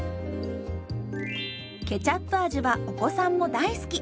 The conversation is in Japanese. ケチャップ味はお子さんも大好き！